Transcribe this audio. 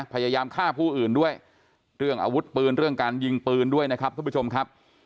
พยายามฆ่าผู้อื่นด้วยเรื่องอาวุธปืนเรื่องการยิงปืนด้วยนะครับท่านผู้ชมครับ